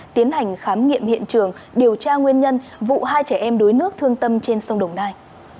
tiến hành khám nghiệm hiện trường điều tra nguyên nhân vụ hai trẻ em đuối nước thương tâm trên sông đồng nai